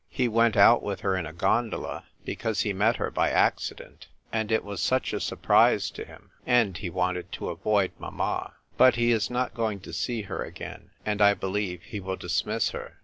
He went out with her in a gondola because he met her by accident — and it was such a surprise to him; and he wanted to avoid mamma. But he is not going to see her again, and I believe he will dismiss her."